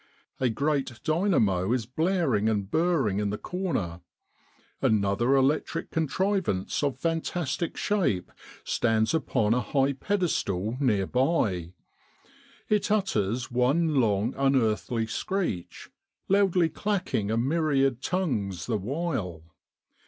A great dynamo is blaring and burring in the corner. Another electric contrivance of fantastic shape stands upon a high pedestal near by. It utters one long unearthly screech, loudly clacking a myriad tongues the while.